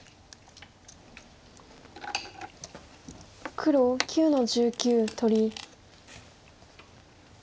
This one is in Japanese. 黒９の十九取り。